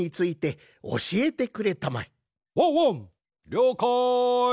りょうかい。